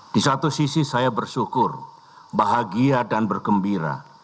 di satu sisi saya bersyukur bahagia dan bergembira